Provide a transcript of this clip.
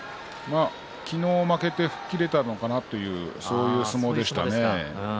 昨日負けて吹っ切れたのかなというそういう相撲でしたね。